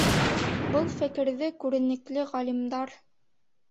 Был фекерҙе күренекле ғалимдар